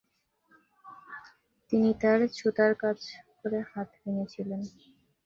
তিনি তার ছুতার কাজ করে হাত ভেঙেছিলেন।